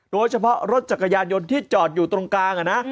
โดยเฉพาะรถจักรยานยนต์ที่จอดอยู่ตรงกลาง